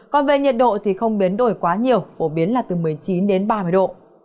còn về nhiệt độ thì không biến đổi quá nhiều phổ biến là từ một mươi chín đến ba mươi độ